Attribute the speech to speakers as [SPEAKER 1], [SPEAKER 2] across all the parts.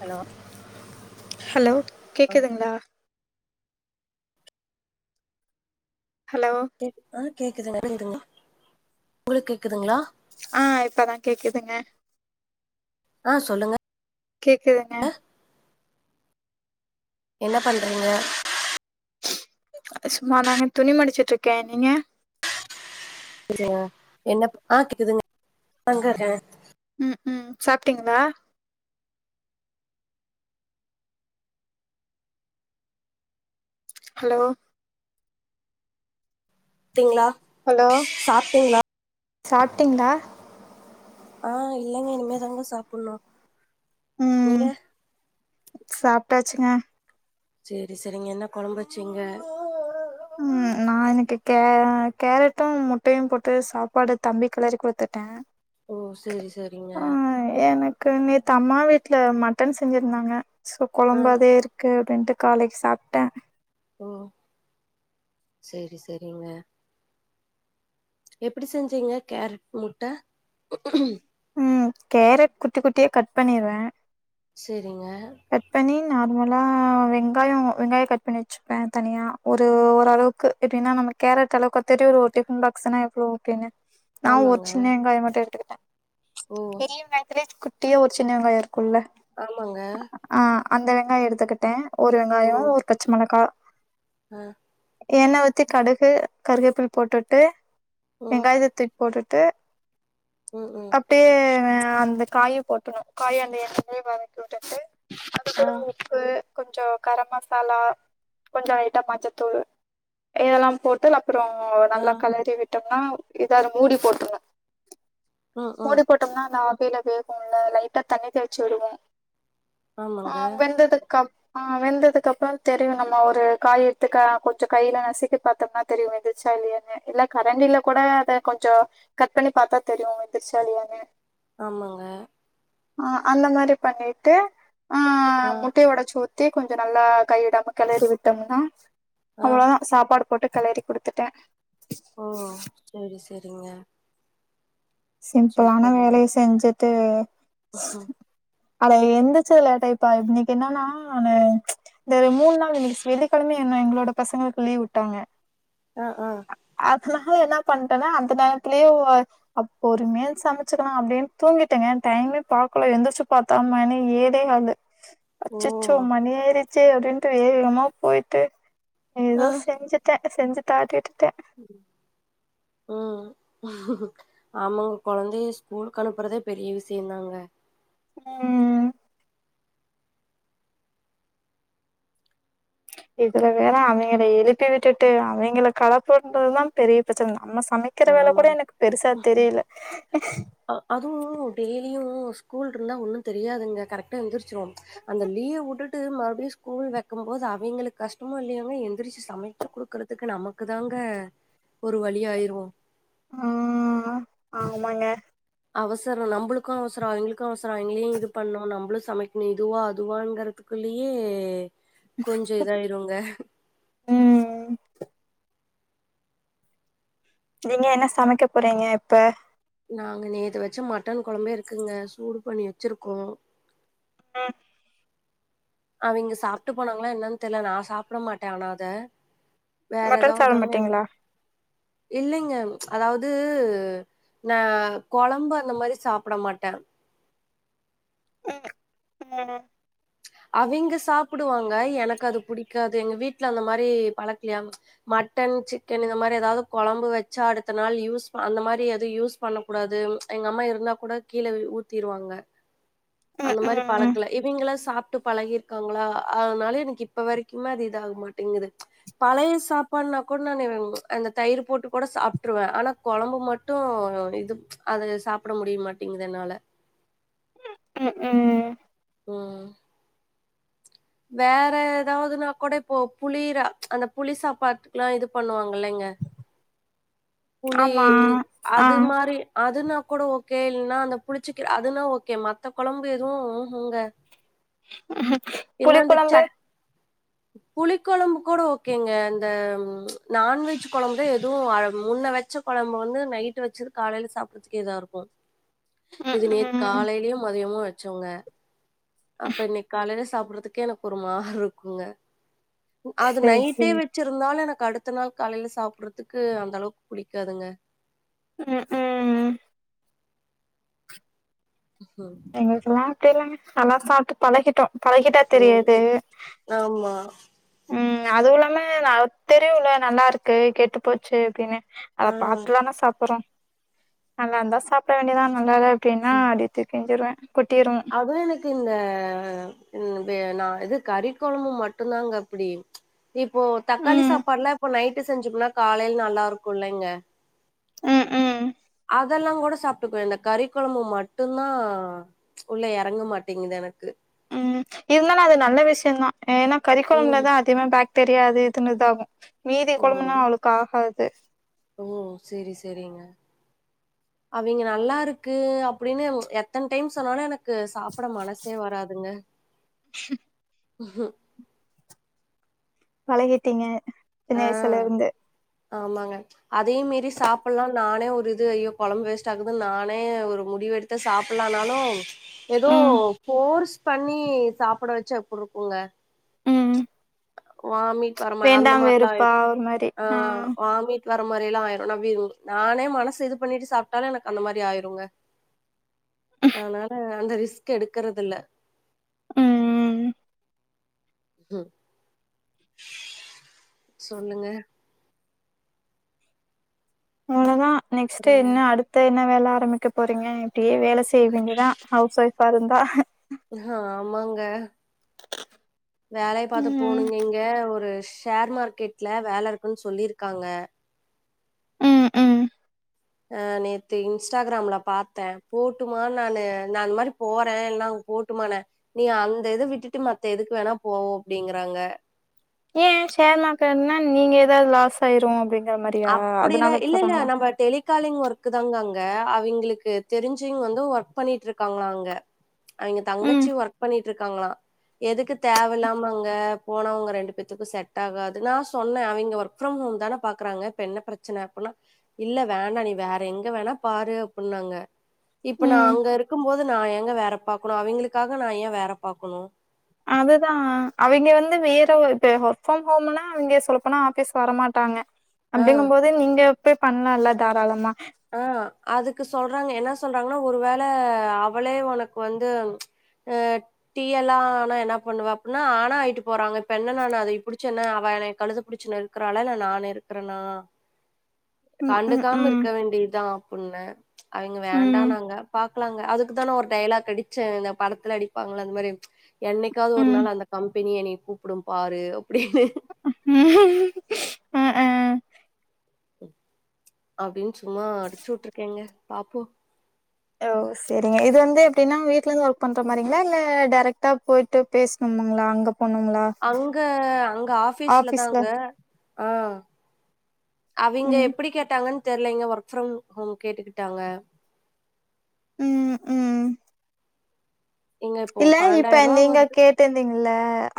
[SPEAKER 1] Hello
[SPEAKER 2] hello
[SPEAKER 1] ஆ
[SPEAKER 2] கேக்குதுங்களா hello
[SPEAKER 1] கேக்குதா கேக்குதுங்களா இருங்க உங்களுக்கு கேக்குதுங்களா
[SPEAKER 2] ஆ இப்பதான் கேக்குதுங்க
[SPEAKER 1] ஆ சொல்லுங்க
[SPEAKER 2] கேக்குதுங்க
[SPEAKER 1] என்ன பண்றீங்க
[SPEAKER 2] சும்மா தாங்க துணி மடிச்சிட்ருக்க நீங்க
[SPEAKER 1] சரியா என்ன ஆ கேக்குதுங்க தங்கர்ற
[SPEAKER 2] ம் ம் சாப்ட்டீங்ளா ஹலோ
[SPEAKER 1] கேக்குங்ளா
[SPEAKER 2] ஹலோ சாப்ட்டீங்ளா
[SPEAKER 1] ஆ இல்லங்க இனிமேதாங்க சாப்புன்னோ
[SPEAKER 2] ம்
[SPEAKER 1] நீங்க
[SPEAKER 2] சாப்ட்டாச்சுங்க
[SPEAKER 1] சேரி செரிங்க என்ன கொழம்பு வச்சீங்க
[SPEAKER 2] ம்
[SPEAKER 1] உ
[SPEAKER 2] நா அவுனுக்கு கே கேரட்டும் முட்டயும் போட்டு சாப்பாடு தம்பிக் கிளறி குடுத்துட்ட
[SPEAKER 1] ஓ செரி செரிங்க
[SPEAKER 2] க்கு நேத்து அம்மா வீட்ல மட்டன் செஞ்சிருந்தாங்க சோ
[SPEAKER 1] ஆ
[SPEAKER 2] கொழம்பதே இருக் க்கு ரெண்டு காலைக் சாப்ட்டே
[SPEAKER 1] ஓ செரி செரிங்க எப்டி செஞ்சீங்க கேரட் முட்ட
[SPEAKER 2] ம் கேரட் குட்டி குட்டியா கட் பண்ணிருவ
[SPEAKER 1] செரிங்க
[SPEAKER 2] கட் பண்ணி நார்மலா வெங்காயம் வெங்காயோ கட் பண்ணி வச்சு ப்ப தனி தனியா ஒரு ஓரளவுக்கு எப்டின்னா நம்ம கேரட் அளவுக்கு ஒத்தரு ஒரு டிஃபன் பாக்ஸ்னா எவ்ளோ அப்டின்னு நா ஒரு
[SPEAKER 1] ஆமாங்க
[SPEAKER 2] சின்ன வெங்காயம் மட்டும் எடுத்துக்கிட்ட
[SPEAKER 1] ஓ
[SPEAKER 2] பெரிய வெங்காயத்துல குட்டியா ஒரு சின்ன வெங்காய இருக்கும்ல்ல
[SPEAKER 1] ஆமாங்க
[SPEAKER 2] ஆ அந்த வெங்காயம் எடுத்துக்கிட்ட ஒரு வெங்காயம் ஒரு பச்ச மொளகா
[SPEAKER 1] ம்
[SPEAKER 2] எண்ணெ ஊத்தி கடுகு கருவேப்பில் போட்டுட்டு
[SPEAKER 1] ம்
[SPEAKER 2] வெங்காயத்த போட்டுட்டு
[SPEAKER 1] ம் ம்
[SPEAKER 2] விட்டு அந்த காய போட்டணு காய அந்த எண்ணெய்லயே வதக்கி விட்டுட்டு அது
[SPEAKER 1] ஆ
[SPEAKER 2] கூட உப்பு கொஞ்சோ கரம் மசாலா கொஞ்சோ லைட்டா மஞ்சத்தூள் இதெல்லாம் போட்டு அப்புறோ
[SPEAKER 1] ஆ
[SPEAKER 2] நல்லா களறி விட்டோம்னா எதாவ்து மூடி போட்டுன்னோ
[SPEAKER 1] ம்
[SPEAKER 2] மூடி
[SPEAKER 1] ம்
[SPEAKER 2] போட்டோம்னா அந்த ஆவில வேகும்ல்ல லைட்டா தண்ணி தெளிச்சு விடுவ ஆ
[SPEAKER 1] ஆமாங்க
[SPEAKER 2] வெந்ததுகப் ஆ வெந்ததுக்கு அப்றோ தெரியுமல்ல ஒரு காய் எடுத்துக்க கொஞ்சோ கையில நசுக்கி பாத்தோம்னா தெரியும் வெந்துச்சா இல்லயானு இல்ல கரண்டில கூட அத கொஞ்சம் கட் பண்ணி பாத்தா தெரியும் வெ ந்துச்சா இல்லயானு
[SPEAKER 1] ஆமாங்க
[SPEAKER 2] ஆ அந்த மாரி பண்ணிட்டு ஆ
[SPEAKER 1] ஆ
[SPEAKER 2] முட்டய ஒடச்சு ஊத் தி கொஞ்சம் நல்லா கை விடாம கெளறி விட்டோம்னா
[SPEAKER 1] ஆ
[SPEAKER 2] அவ்ளோதா சாப்பாடு போட்டு கலறி குடுத்துட்ட
[SPEAKER 1] ஓ செரி செரிங்க
[SPEAKER 2] சிம்பிளான வேலய செஞ்சுட்டு
[SPEAKER 1] ஓ ஒ
[SPEAKER 2] அட எந்தச்சுது லேட் ஆய்ட்ப்பா இன்னிக் என்னன்னா நா இந்த மூணு நாள் இன்னிக்கு வெள்ளிக்கெழம என்ன எங்ளோட பசங்களுக்கு லீவ் விட்டாங்க
[SPEAKER 1] ஆ ஆ
[SPEAKER 2] அதனால என்ன பண்ட்டேனா அந்த நேரத்துலயே அப் பொறுமையா சமைச்சக்கலா அப்டின்னு தூங்கிட்டங்க டைமே பாக்கல எந்துச்சு பாத்தா மணி ஏழே காளு
[SPEAKER 1] ஓ
[SPEAKER 2] அச்சச்சோ மணி ஆயிறிச்சே அப்டின்ட்டு வே வேமா போயிட்டு
[SPEAKER 1] ஆ
[SPEAKER 2] எதோ செஞ்சுட்டே செஞ்சு தாட்டிட்டுட்டே
[SPEAKER 1] ம் ஆமாங்க குழந்தை ஸ்கூலுக்கு அனுப்புறதே பெரிய விஷயந்தாங்க
[SPEAKER 2] ம் இதுல வேற அவிங்கள எழுப்பி விட்டுட்டு அவிங்கள கெளப்பனுன்றதுதா பெரிய பிரச்சனை நம்ம சமைக்க கிற வேலை கூட
[SPEAKER 1] ஆமாங்க
[SPEAKER 2] எனக்கு பெருசா தெரியல
[SPEAKER 1] அதுவு டெய்லியு ஸ்கூல் இருந்தா ஒன்னு தெரியாதுங்க கரெக்ட் ட்டா எந்திரிச்சுருவோ அந்த லீவ் விட்டு ட்டு மறுபடியு ஸ்கூல் வைக்கும்போது அவிங்களுக்கு கஷ்டம இல்லையோங்க எந்திரிச்சு சமைச்சு குடுக்கறது த்துக்கு நமக்கு தாங்க ஒரு வழி ஆயிருவோ
[SPEAKER 2] ஆ ஆமாங்க
[SPEAKER 1] அவசரம் நம்மளுக்கு அவசரம் அவங்களுக்கு அவசரம் அவங்களையு இது பண்ணணு நம்மளு சமைக்கணு இதுவா அதுவாங்கறதுக்கு குள்ளயே கொஞ்ச இதாயிருங்க
[SPEAKER 2] ம் நீங்க என்ன சமைக்க போறீங்க இப்ப
[SPEAKER 1] நாங்க நேத்து வச்ச மட்டன் குழம்ப இருக்குங்க சூடு பண்ணி வச்சிருக்கோ
[SPEAKER 2] ஆ
[SPEAKER 1] அவிங்க சாப்ட்டு போனாங்களா என்னன்னு தெர்ல நான் சாப்பிட மாட்டே ஆனா அத வேற
[SPEAKER 2] மட்டன் சாப்ட
[SPEAKER 1] எதாவதுதாங்க
[SPEAKER 2] மாட்டீங்களா
[SPEAKER 1] இல்லைங்க அதாவது நா குழம்பு அந்த மாரி சாப்பிட மாட்டே
[SPEAKER 2] ம் ம்
[SPEAKER 1] அவிங்க சாப்பிடுவாங்க எனக்கு அது புடிக்காது எங்க வீட்ல அந்த மாரி பழக்கலையா மட்டன் சிக்கன் இந்த மாரி எதாவது குழம்பு வச்சா அடுத்த நாள் யூஸ் அந்த மாரி எது யூஸ் பண்ணக் கூடாது எங்க அம்மா இருந்தா கூட கீழே ஊத்திருவாங்க அந்த மாரி
[SPEAKER 2] ம்
[SPEAKER 1] பழக்கல இவிங்களா சாப் ட்டு பழகியிருக்காங்களா அதனால எனக்கு இப்ப வரைக்குமே அது இது ஆக மாட்டேங்குது பழைய சாப்பாடுனா கூட நானு அந்த தயிர் போட்டு கூட சாப்ட்டுருவே ஆனா கொழம்பு மட்டு இது அத சாப்பிட முடிய மாட்டேங்குது என்னால
[SPEAKER 2] ம் ம்
[SPEAKER 1] ம் வேற ஏதாவதுன்னா கூட இப்போ புளிரா அந்த புளி சாப்பாட்டுக்கு எல்லா இது பண்ணுவாங்க இல்லைங்க புளி
[SPEAKER 2] ஆமா ஆ
[SPEAKER 1] அது மாரி அதுனா கூட ஓகே இல்லைன்னா அந்த புளிச்சக் அதுனா ஓகே மத்த குழம்பு எதுவும் உஹுங்க
[SPEAKER 2] அஹ
[SPEAKER 1] இல்லனா அந்த சட் புளி குழம்பு கூட ஓகேங்க அந்த நான்வெஜ் குழம்புதா எதுவு முன்ன வச்ச குழம்ப வந்து நைட்டு வச்சிது காலையில சாப்பறதுக்குே இதா இருக்கு
[SPEAKER 2] ம்
[SPEAKER 1] இது நேத்து
[SPEAKER 2] ம்
[SPEAKER 1] காலையிலயு மதியமு வெச்சோங்க அப்ப இன்னைக்கு காலையில சாப்பிட்றதுக்கே எனக்கு ஒரு மார் இருக்குங்க அது
[SPEAKER 2] சேரி
[SPEAKER 1] நைட்டே
[SPEAKER 2] சேரி
[SPEAKER 1] வெச்சிருந்தாலு எனக்கு அடுத்த நாள் காலையில சாப்பிடுறதுக்கு அந்த அளவுக்கு பிடிக்காதுங்க
[SPEAKER 2] ம் ம்
[SPEAKER 1] உ ஹு
[SPEAKER 2] எங்ளுக்கெல்லா அப்டில்லங்க நல்லா சாப்ட்டு பழகிட்டோ பழகிட்டா தெரியாது
[SPEAKER 1] ஆம்மா
[SPEAKER 2] ம் அதுவுல்லாம தெரியுல நல்லாருக்கு கெட்டு போச்சு அப்டின்னு அத
[SPEAKER 1] ஆ
[SPEAKER 2] பாத்துதான சாப்புறோ நல்லாந்தா சாப்ட வேண்டிதா நல்லாயில்ல அப்டின்
[SPEAKER 1] ம்
[SPEAKER 2] தூக்கி எஞ்சுருவே கொட்டிரு
[SPEAKER 1] அதா எனக்கு இந்த என்னது நா இது கறி கொழம்பு மட்டுந்தாங்க அப்பிடி இப்போ தக்காளி
[SPEAKER 2] ம்
[SPEAKER 1] சாப்பாட்லா இப்போ நைட்டு செஞ்சம்னா காலைல நல்லாருக்குல்லைங்க
[SPEAKER 2] ம் ம்
[SPEAKER 1] அதெல்லா கூட சாப்ட்டுக்குவே இந்த கறி கொழம்பு மட்டுந்தா உள்ள எறங்க மாட்டேங்கிது எனக்கு
[SPEAKER 2] ம் இருந்தாலு அது நல்ல விஷ்யோந்தா ஏனா கறிகொழம்ல
[SPEAKER 1] ம்
[SPEAKER 2] தா அ திமா பாக்டீரியா அது இதுன் இதாகு மீதி
[SPEAKER 1] ஓ
[SPEAKER 2] கொழம்புனா அவளுக்கு ஆகாது
[SPEAKER 1] ஓ சேரி சேரிங்க அவிங்க நல்லாருக்கு அப்டின்னு எத்தன டைம் சொன்னாலு எனக்கு சாப்ட மனசே வராதுங்க ஹ
[SPEAKER 2] பழகிட்டீங்க சின்ன
[SPEAKER 1] ஆ
[SPEAKER 2] வய்சுலருந்து
[SPEAKER 1] ஆமாங்க அதயு மீறி சாப்புலா நானே ஒரு இது ஐயோ கொழம்பு வேஸ்ட்டாகுதுன் நானே ஒரு முடிவு எடு த்து சாப்புலானாலு எதோ
[SPEAKER 2] ம்
[SPEAKER 1] ஃபோர்ஸ் பண்ணி சாப்ட வச்சா எப்டிருக்குங்க
[SPEAKER 2] ம்
[SPEAKER 1] வாமிட் வர மாரி அந்த
[SPEAKER 2] வேண்டாம்
[SPEAKER 1] மார்லா
[SPEAKER 2] வெறுப்பா
[SPEAKER 1] ஆய்டு
[SPEAKER 2] ஒரு மாரி
[SPEAKER 1] ஆ வாமிட் வர மாரிலா ஆய்ரு நவின் நானே மனச இதுபண்ணிட்டு சாப்ட்டாலு எனக்கு அந்த மாரி ஆய்டுங்க ஆனால அந்த ரிஸ்க் எடுக்குறதில்ல
[SPEAKER 2] ம்
[SPEAKER 1] சொல்லுங்க
[SPEAKER 2] அவ்ளோதா நெக்ஸ்ட்டு
[SPEAKER 1] அப்புறங்க
[SPEAKER 2] என்ன அடு த்து என்ன வேல ஆரம்பிக்க போறீங்க இப்டியே வேல செய் வேண்டிதா ஹவுஸ் ஒய்ஃபாருந்தா
[SPEAKER 1] ஹாமாங்க வேலைய பாத்து
[SPEAKER 2] ம்
[SPEAKER 1] போனுங்க இங்க ஒரு ஷேர் மார்க்கெட்ல வேலருக்குன் சொல்லிருக்காங்க
[SPEAKER 2] ம் ம்
[SPEAKER 1] ஆ நேத்து இன்ஸ்டாகிராம்ல பாத்தே போட்டுமா நானு நா அன் மாரி போறே எல்லா போட்டுமானே நீ அந்த இத விட்டுட்டு மத்த எதுக்கு வேணா போ அப்டிங்கறாங்க
[SPEAKER 2] ஏ ஷேர் மார்க்கென்னா நீங்க எதாது லாஸ்ஸாய்ரு அப்டின்
[SPEAKER 1] அப்பிடிலா இல்லெல்ல நம்ம டெலி காலிங் ஒர்க்கு தாங்க அங்க அவிங்களுக்கு தெரிஞ்சிங் வந்து ஒர்க் பண்ணிட்ருக்காங்ளா அங்க அவிங்க
[SPEAKER 2] ம்
[SPEAKER 1] தங்கச்சி ஒர்க் பண்ணிட்ருக்காங்ளா எதுக்கு தேவயில்லாம அங்க போனா உங்க ரெண்டு பேத்துக்கு செட்டாகாது நா சொன்னே அவிங்க ஒர்க் ஃபிரம் ஹோம் தான பாக்குறாங்க இப்ப என்ன பிரச்சன அப்புன்னா இல்ல வேணா நீ வேற எங்க வேணா பாரு அப்புன்னாங்க இப்ப நா
[SPEAKER 2] ம்
[SPEAKER 1] அங்க இருக்கும்போது நா ஏங்க வேற பாக்கனு அவிங்களுக்காக நா ஏ வேற பாக்கனு
[SPEAKER 2] அதுதா அவிங்க வந்து வேற இப்ப ஒர்க் ஃப்ரம் ஹோமுனா அவிங்க சொல்லப்போனா ஆஃபீஸ் வரமாட்டாங்க
[SPEAKER 1] ஆ
[SPEAKER 2] அப்டின்னம்போதே நீங்க போய் பண்லால தாராளமா
[SPEAKER 1] ஆ அதுக்கு சொல்றாங்க என்ன சொல்றாங்கன்னா ஒரு வேள அவளே ஒனக்கு வந்து ஆ டீ எல்லா ஆனா என்னாப் பண்ணுவா அப்புன்னா ஆனா ஆயிட்டுப் போறாங்க இப்ப என்ன நானா அதையிப் பிடிச்சி என்ன அவ எனைக் கழுதப் பிடிச்சி நெருக் க்கறாளா இல்ல நா நெருக்றனா
[SPEAKER 2] ம், ம்,
[SPEAKER 1] கண்டுக்காம
[SPEAKER 2] ம்,
[SPEAKER 1] இருக்க வேண்டிதா அப்புன்னே அவிங்க
[SPEAKER 2] ம்,
[SPEAKER 1] வேண்டானாங்க பாக் க்லாங்க அதுக்கு தானே ஒரு டைலாக் அடிச்சே இந்தப் படத்ல அடிப்பாங்கள அந்த மாரி என்னைக்காவது ஒரு
[SPEAKER 2] ம்.
[SPEAKER 1] நாள் அந்தக் கம்பெனி எனையக் கூப்டும் பாரு அப்டினு
[SPEAKER 2] ம் ஹ ஹ
[SPEAKER 1] அப்டின் சும்மா அடிச்சுவுட்ருக்கேங்க பாப்போ
[SPEAKER 2] ஓ செரிங்க இது வந்து எப்டினா வீட்டுலந்து ஒர்க் பண்ற மாரிங்ளா இல்ல டேரெக்ட் டாப் போயட்டு பேச்ணும்முங்ளா அங்கப் போனுங்ளா
[SPEAKER 1] அங்க அங்க ஆஃபீஸ்லதாங்க அ அவிங்க
[SPEAKER 2] ம்,
[SPEAKER 1] எப்டி கேட்டாங்கன் தெர்லைங்க ஒர்க் ஃப்ரம் ஹோம் கேட்டுகிட்டாங்க
[SPEAKER 2] ம் ம்
[SPEAKER 1] எங்க இப்போ பனண்டாயர்வா வருது
[SPEAKER 2] டேந்தீங்கில்ல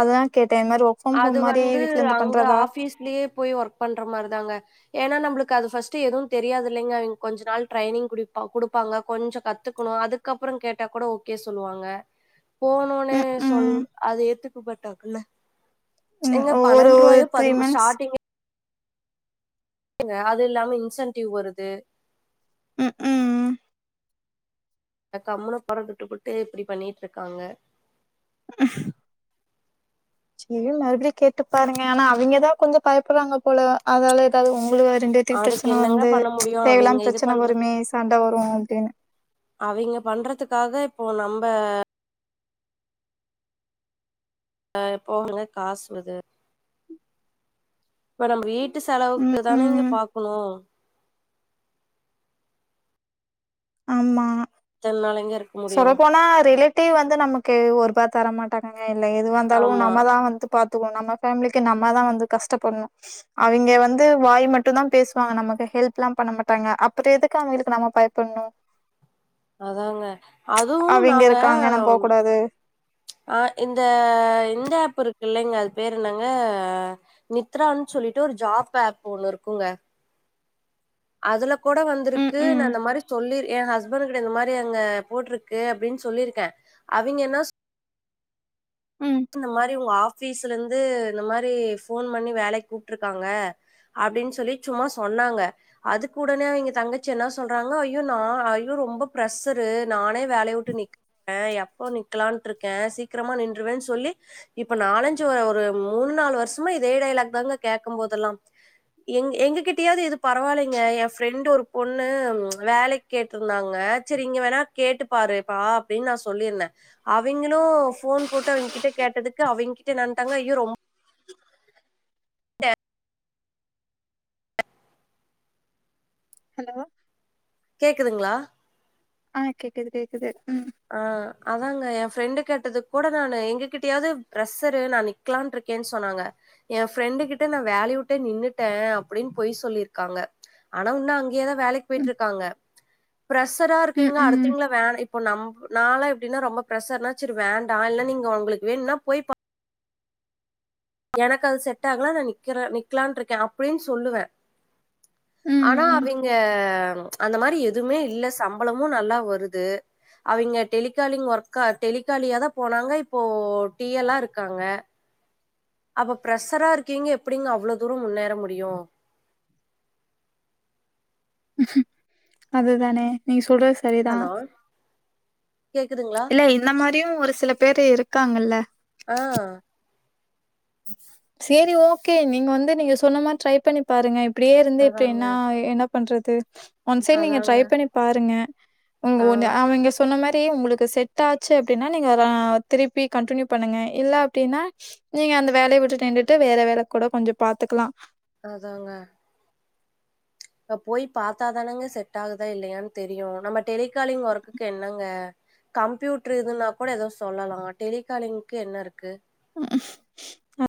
[SPEAKER 2] அதுதாங் கேட்டே இன் மாரி ஒர்க் ஃப்ரம் ஹோம் மாரி வீட்லிந்து பண்றதா
[SPEAKER 1] ட்லியேப் போயி ஒர்க் பண்ற மாரிதாங்க எனா நம்ளுக்கு அது ஃபர்ஸ்ட்டு எதுவுந் தெரியாது இல்லைங்க அவிங் கொஞ்ச நாள் ட்ரைனிங் குடிப்பா குடுப்பாங்க கொஞ்சோ கத்துக்குணு அதுக் கப்புறங் கேட்டா கூட ஓகே சொல்லுவாங்க போன ஒனே
[SPEAKER 2] ம்,
[SPEAKER 1] சொல்
[SPEAKER 2] ம்,
[SPEAKER 1] அது ஏத்துகப்பட்டாக்குல்ல
[SPEAKER 2] ம்.
[SPEAKER 1] எங்கப்
[SPEAKER 2] ஒரு ஒரு
[SPEAKER 1] பனெண்ருவாயோப் பதிம்
[SPEAKER 2] மந்த்ஸ்
[SPEAKER 1] ஸ்டார்டிங்கே க அது இல்லாம இன்சென்டிவ் வருது
[SPEAKER 2] ம் ம்
[SPEAKER 1] அக் கம்முனு போறதுட்டுபுட்டு இப்டி பண்ணிட்ருக்காங்க
[SPEAKER 2] அஹ சே மறுப்டியு கேட்டுப் பாருங்க ஆனா அவிங்கதா கொஞ்சம் பயப்பறாங்கப் போல அதாலேத் தாது உங்ளுகு ரெண்டுவேத்துக்கு
[SPEAKER 1] அதுக்கு
[SPEAKER 2] பிரச்சன
[SPEAKER 1] என்னங்க
[SPEAKER 2] வந்து
[SPEAKER 1] பண்ண முடியு அவிங்க
[SPEAKER 2] தேவையில்லாம
[SPEAKER 1] இது
[SPEAKER 2] பிரச்சன
[SPEAKER 1] பண்றது
[SPEAKER 2] வருமே சண்ட வரு அப்டினு
[SPEAKER 1] அவிங்க பண்றதுக்காக இப்போ நம்ப அ போகுங்க காசுவது இப்ப நம்ப வீட் ட்டு செலவுக்குதானைங்க
[SPEAKER 2] ம்ஹூம்
[SPEAKER 1] பாக்ணு
[SPEAKER 2] ஆமா
[SPEAKER 1] தென் நாளைங்க இருக்
[SPEAKER 2] சொல்லப்போனா ரிலேட்டிவ் வந்து நமக்கு ஒருபா தர மாட்டாங்காங்க இல்ல எதுவாந்தாலு
[SPEAKER 1] ஆமா
[SPEAKER 2] நம்மதா வந்துப் பாத்துகுவோ நம்ம ஃபேம்லிக்கு நம்மதா வந்து கஷ்டப்பண்ணு அவிங்க வந்து வாய் மட்டுந்தா பேசுவாங்க நமக்கு ஹெல்ப்லாம் பண்ண மாட்டாங்க அப்றோ எதுக் கு அவிங்ளுக்கு நம்ம பயப்பண்ணு
[SPEAKER 1] அதாங்க அதுவு
[SPEAKER 2] அவிங்க
[SPEAKER 1] நாங்க
[SPEAKER 2] இருக்காங்க நம்ம போக்கூடாது
[SPEAKER 1] ஆ இந்த இந்த ஆப்பு இருக்கு இல்லைங்க அது பேரு என்னங்க நித்ரான் சொல்லிட்டு ஒரு ஜாப் ஆப் ஒன்னு இருக்குங்க அதுல கூட
[SPEAKER 2] ம்
[SPEAKER 1] வந்திருக்கு நா
[SPEAKER 2] ம்
[SPEAKER 1] இந்த மாரி சொல்லிரு ஏ ஹஸ் பர்கிட இந்த மாரி அங்க போட்ருக்கு அப்டின் சொல்லிருக்கே அவிங்கனாச்
[SPEAKER 2] ம்
[SPEAKER 1] இந்த மாரி உங்க ஆஃபீஸ்லந்து இந்த மாரி ஃபோன் பண்ணி வேலைக் கூப்ட்ருக்காங்க அப்டின் சொல்லி சும்மா சொன்னாங்க அதுக்குடனே அவிங்க தங்கச்சி என்ன சொல்றாங்க ஐயோ நா ஐயோ ரொம்பப் பிரசரு நானே வேலைய வுட்டு நிக் அ எப்போ நிக்கலான்ட்ருக்கே சீக்கரமா நின்றுவேன்ச் சொல்லி இப்ப நாளஞ்சு ஒ ஒரு மூன் நாலு வருஷமா இதே டைலாக் தாங்க கேக்கம் போதெல்லாம் எங் எங்ககிட்டயாது இது பரவால்லைங்க என் ஃப்ரெண்டு் ஒரு பொண்ணு வேல கேட்டுருந்தாங்க சரி இங்க வேணா கேட்டுப்பாருப்பா அப்டின் நா சொல்லிர்ந்த அவிங்களு ஃபோன் போட்டா அவிங் கிட்ட கேட்டதுக்கு அவிங்கிட்ட நான் தங்கையு ரொம் சரி
[SPEAKER 2] ஹலோ
[SPEAKER 1] கேக்குதுங்ளா
[SPEAKER 2] ஆ கேக்குது கேக்குது உம்
[SPEAKER 1] அ அதாங்க என் ஃப்ரெண்டு கேட்டது கூட நானு எங்ககிட்டயாது பிரஸ்ருன் நெனைக் க்கலான் இருக்கேன் சொனாங்க எ ஃப்ரெண்டு கிட்ட நா வேலைய வுட்டே நின்னுட்டே அப்படின் பொய் சொல்லிர்காங்க ஆனா உன்னும் அங்க்யேதா வேலைக்
[SPEAKER 2] ம்
[SPEAKER 1] பொய்ட்ருக்காங்க ப்ரசரா
[SPEAKER 2] ம்
[SPEAKER 1] இருக்கீங்க
[SPEAKER 2] ம்
[SPEAKER 1] அடுத்தவிங்கள வேன இப்ப நம்ப் நாலா எப்படின்னா ரொம்ப பிரசர்னா சரி வேண்டா இல்ல நீங்க உங்களுக் வேண்ணுனா போய்ப் எனக் அது செட் ஆகுலா நா நிக்கிற நிக்லான்ருக்க அப்புடின் சொல்லுவ
[SPEAKER 2] ம்
[SPEAKER 1] ஆனா
[SPEAKER 2] ம்
[SPEAKER 1] அவிங்க அந்த மாதிரி எதுமே இல்ல சம்பளமு நல்லா வருது அவிங்க டெலிகாலிங் ஒர்க்கா டெலிகாலியாதா போனாங்க இப்போ டி எல்லா இருக்காங்க அப்ப பிரெஷரா இருக்கீங்க எப்புடிங்க அவ்வளோ தூரொ முன்னேற முடியு
[SPEAKER 2] அதுதானே நீங்க சொல்ற சரிதா
[SPEAKER 1] ஹலோ கேக்குதுங்களா?
[SPEAKER 2] இல்ல இந்த மாரியு ஒரு சில பேரு இருக்காங்கல்ல
[SPEAKER 1] அ
[SPEAKER 2] சேரி ஓக்கே நீங் வந்து நீங்க சொன்ன மார் ட்ரை பண்ணிப் பாருங்க இப்புடியே இருந்து இப்டி
[SPEAKER 1] அதாங்க,
[SPEAKER 2] என்னா என்னப் பண்றது ஒன் செ நீங்க
[SPEAKER 1] அதாங்க.
[SPEAKER 2] ட்ரை பண்ணி பாருங்க உங்க
[SPEAKER 1] ஆ.
[SPEAKER 2] ஒண்ணு அவிங்க சொன்ன மாரி உங்களுக்கு செட் ஆச்சு அப்டின்னா நீங்க ரா திருப்பி கண்டின்யூ பண்ணுங்க இல்ல அப்டின்னா நீங்க அந்த வேலைய விட்டு நின்ண்டுட்டு வேற வேல கூட கொஞ்சொ பாத்துக்கலா
[SPEAKER 1] அதாங்க போய் பாத்தாாதானங்க செட் ஆகுதா இல்லையான்னு தெரியு நம்ம டெலிகாலிங் ஒர்க்குக்கு என்னங்க கம்ப்யூட்ரு இதுன்னா கூட எதோ சொல்லலா டெலிகாலிங்க்க்கு என்னருக்கு
[SPEAKER 2] உ [unintelligible]